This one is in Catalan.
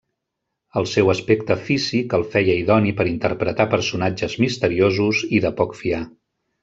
El seu aspecte físic el feia idoni per interpretar personatges misteriosos i de poc fiar.